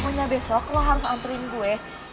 pokoknya besok lo harus antriin gue